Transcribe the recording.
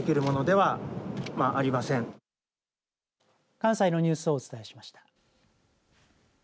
関西のニュースをお伝えしました。